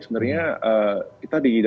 sebenarnya kita di gita com